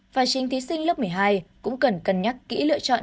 và chính thí sinh lớp một mươi hai cũng cần cân nhắc kỹ lựa chọn